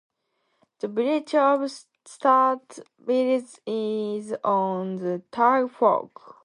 The village of Staats Mills is on the Tug Fork.